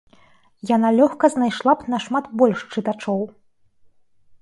Яна лёгка знайшла б нашмат больш чытачоў.